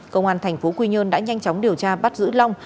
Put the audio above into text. cơ quan tp quy nhơn đã nhanh chóng điều tra bắt giữ long